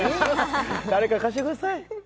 誰か貸してください